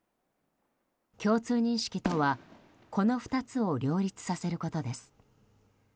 共通認識とはこの２つを両立させることです。